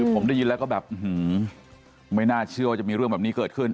ผมได้ยินแล้วก็แบบไม่น่าเชื่อว่าจะมีเรื่องแบบนี้เกิดขึ้น